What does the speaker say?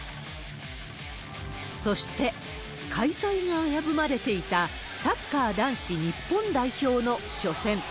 そして、開催が危ぶまれていたサッカー男子日本代表の初戦。